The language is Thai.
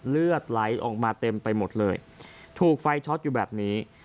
เลือดไหลออกมาเต็มไปหมดเลยถูกไฟช็อตอยู่แบบนี้